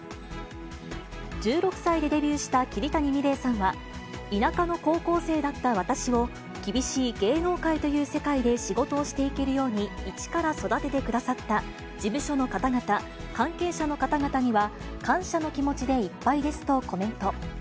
１６歳でデビューした桐谷美玲さんは、田舎の高校生だった私を、厳しい芸能界という世界で仕事をしていけるように一から育ててくださった事務所の方々、関係者の方々には感謝の気持ちでいっぱいですとコメント。